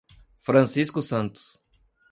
Francisco Santos